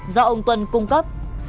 do ông tuân cung cấp